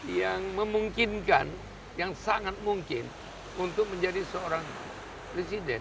yang memungkinkan yang sangat mungkin untuk menjadi seorang presiden